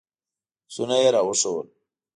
عکسونه یې راوښودل.